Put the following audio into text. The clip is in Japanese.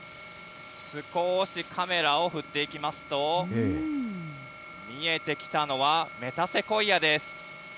少しカメラを振っていきますと、見えてきたのは、メタセコイアです。